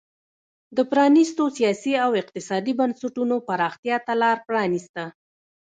د پرانیستو سیاسي او اقتصادي بنسټونو پراختیا ته لار پرانېسته.